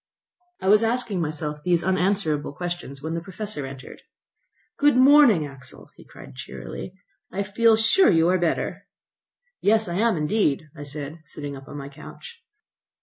I was asking myself these unanswerable questions when the Professor entered. "Good morning, Axel," he cried cheerily. "I feel sure you are better." "Yes, I am indeed," said I, sitting up on my couch.